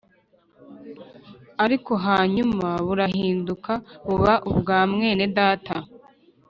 Ariko hanyuma burahinduka buba ubwa mwene data